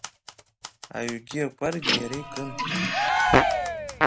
Аҩгьы-акәаргьы иара икын.